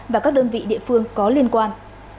và các đơn vị địa phương có liên quan